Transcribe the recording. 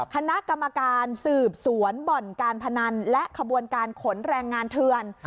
คณะกรรมการสืบสวนบ่อนการพนันและขบวนการขนแรงงานเถื่อน